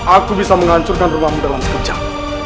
aku bisa menghancurkan rumahmu dalam sekejap